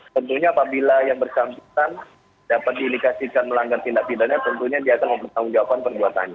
tentunya apabila yang bersampingkan dapat diindikasikan melanggar tindak pidanya tentunya dia akan mempertanggung jawaban perbuatannya